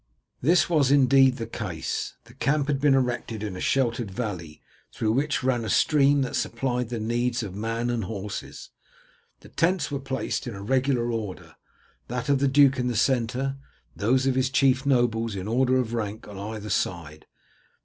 This was indeed the case. The camp had been erected in a sheltered valley, through which ran a stream that supplied the needs of man and horses. The tents were placed in regular order, that of the duke in the centre, those of his chief nobles in order of rank on either side.